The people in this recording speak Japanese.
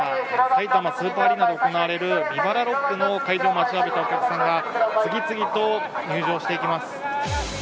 さいたまスーパーアリーナで行われるＶＩＶＡＬＡＲＯＣＫの開場を待ちわびたお客さんが次々と入場していきます。